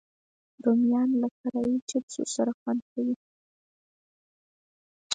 رومیان له فرای چپس سره خوندور دي